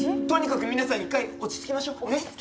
とにかく皆さん一回落ち着きましょう。ね？